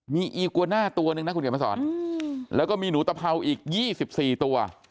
มีอีกวาน่าตัวหนึ่งนะคุณเขียนมาสอนแล้วก็มีหนูตะเพราอีก๒๔ตัว